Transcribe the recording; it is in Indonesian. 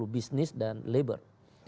bisnis dan labor